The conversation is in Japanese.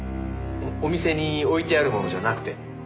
お店に置いてあるものじゃなくて？